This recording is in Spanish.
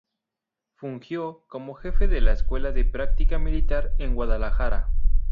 Fungió como jefe de la Escuela de Práctica Militar en Guadalajara.